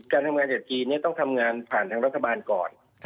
การทำงานจากจีนต้องทำงานผ่านทางรัฐบาลก่อน